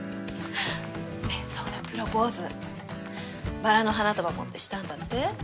そうだプロポーズバラの花束持ってしたんだって？